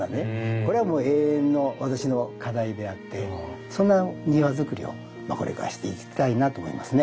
これはもう永遠の私の課題であってそんな庭づくりをこれからしていきたいなと思いますね。